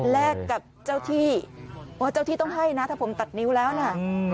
แลกกับเจ้าที่ว่าเจ้าที่ต้องให้นะถ้าผมตัดนิ้วแล้วนะ